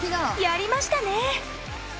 やりましたね！